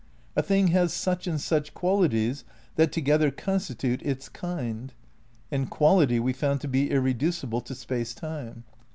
A thing has such and such qualities that together constitute its kind. And qual ity we found to be irreducible to Space Time.